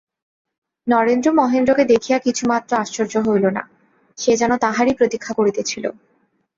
নরেন্দ্র মহেন্দ্রকে দেখিয়া কিছুমাত্র আশ্চর্য হইল না, সে যেন তাঁহারই প্রতীক্ষা করিতেছিল।